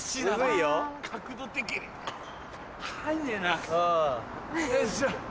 よいしょ。